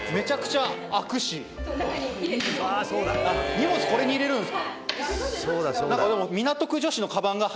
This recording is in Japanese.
荷物これに入れるんですか何かでも。